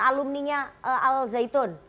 alumninya al zaitun